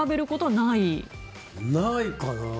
ないかな。